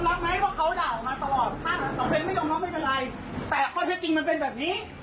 คุณรับไหมว่าเขาด่าออกมาตลอดถ้าไม่ยอมรับไม่เป็นไรแต่ข้อเท็จจริงมันเป็นแบบนี้